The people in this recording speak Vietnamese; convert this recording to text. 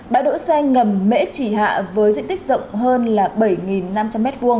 bãi đỗ xe ngầm mễ trì hạ với diện tích rộng hơn là bảy năm trăm linh m hai